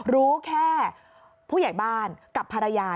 รู้แค่ผู้ใหญ่บ้านกับภรรยา